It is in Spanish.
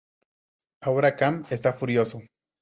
Ahora Kham está furioso.